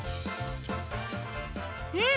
うん！